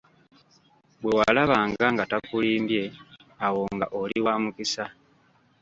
Bwewalabanga nga takulimbye awo nga oli wamukisa.